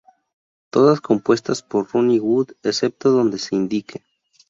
Todas compuestas por Ronnie Wood excepto donde se indique.